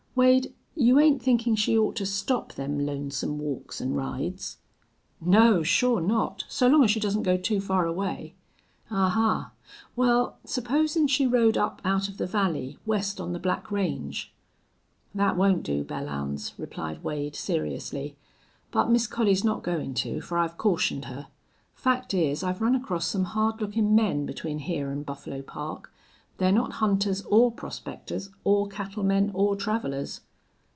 Wade, you ain't thinkin' she ought to stop them lonesome walks an' rides?" "No, sure not, so long as she doesn't go too far away." "Ahuh! Wal, supposin' she rode up out of the valley, west on the Black Range?" "That won't do, Belllounds," replied Wade, seriously. "But Miss Collie's not goin' to, for I've cautioned her. Fact is I've run across some hard lookin' men between here an' Buffalo Park. They're not hunters or prospectors or cattlemen or travelers."